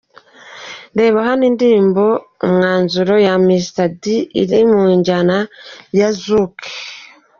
Reba hano indirimbo'Umwanzuro' ya Mr D iri mu njyana ya Zouk.